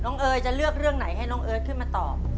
เอ๋ยจะเลือกเรื่องไหนให้น้องเอิร์ทขึ้นมาตอบ